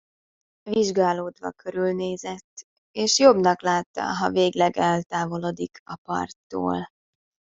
Vizsgálódva körülnézett, és jobbnak látta, ha végleg eltávolodik a parttól.